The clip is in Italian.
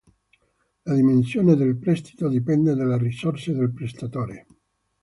La dimensione del prestito dipende dalle risorse del prestatore.